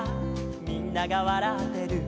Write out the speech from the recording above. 「みんながわらってる」